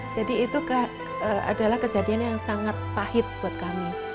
jadi itu adalah kejadian yang sangat pahit buat kami